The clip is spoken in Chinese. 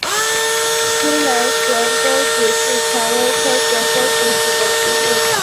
西南悬钩子是蔷薇科悬钩子属的植物。